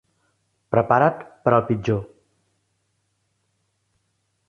Prepara't per al pitjor!